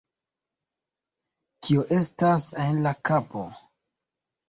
Kio estas en la kapo?